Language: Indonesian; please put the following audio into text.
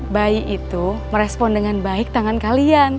bayi itu merespon dengan baik tangan kalian